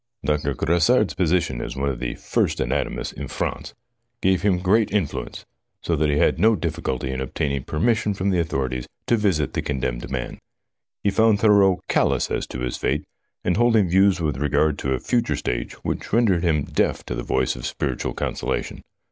Doctor Grassard's position as one of the first anatomists in France gave him great influence, so that he had no diffi culty in obtaining permission from the authorities to visit the condemned man. He found Thurreau callous as to his fate, and holding views with regard to a future state which rendered him deaf to the voice of spiritual consolation.